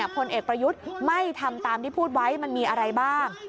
พลเอกประยุทธ์ไม่ทำตามที่พูดไว้มันมีอะไรบ้าง